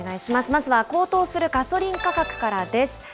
まずは高騰するガソリン価格からです。